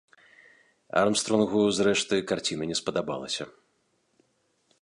Армстронгу, зрэшты, карціна не спадабалася.